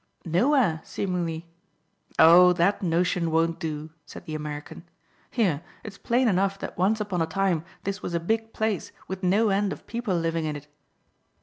"Nowhere, seemingly." "Oh, that notion won't do," said the American. "Here, it is plain enough that once upon a time this was a big place with no end of people living in it."